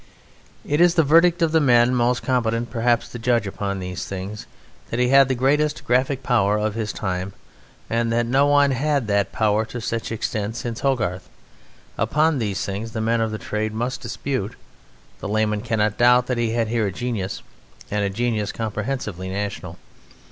It is the verdict of the men most competent perhaps to judge upon these things that he had the greatest graphic power of his time, and that no one had had that power to such an extent since Hogarth. Upon these things the men of the trade must dispute; the layman cannot doubt that he had here a genius and a genius comprehensively national.